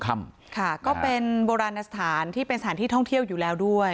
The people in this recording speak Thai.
ค่ะก็เป็นโบราณสถานที่เป็นสถานที่ท่องเที่ยวอยู่แล้วด้วย